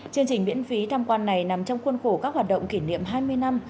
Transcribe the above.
chương trình miễn phí tham quan này nằm trong khuôn khổ các hoạt động kỷ niệm hai mươi năm